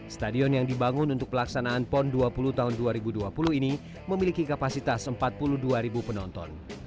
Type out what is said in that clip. stadion yang dibangun untuk pelaksanaan pon dua puluh tahun dua ribu dua puluh ini memiliki kapasitas empat puluh dua ribu penonton